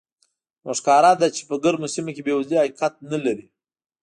نو ښکاره ده چې په ګرمو سیمو کې بېوزلي حقیقت نه لري.